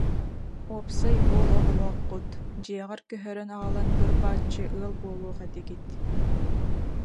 Уопсай уол оҕолооххут, дьиэҕэр көһөрөн аҕалан быр-бааччы ыал буолуох этигит